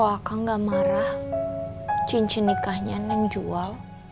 kok akang gak marah cincin nikahnya neng jual